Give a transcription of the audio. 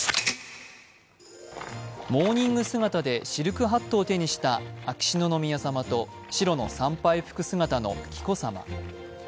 モーニング姿でシルクハットを手にした秋篠宮さまと白の参拝服姿の紀子さま。